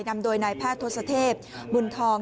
นำโดยนายแพทย์ทศเทพบุญทอง